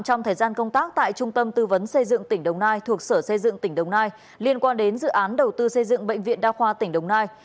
trong thời gian công tác tại trung tâm tư vấn xây dựng tỉnh đồng nai thuộc sở xây dựng tỉnh đồng nai liên quan đến dự án đầu tư xây dựng bệnh viện đa khoa tỉnh đồng nai